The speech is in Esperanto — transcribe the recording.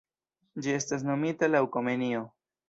Ĝi estas nomita laŭ Komenio.